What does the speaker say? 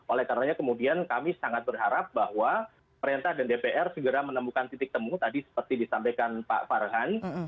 oleh karena kemudian kami sangat berharap bahwa perintah dan dpr segera menemukan titik temu tadi seperti disampaikan pak farhan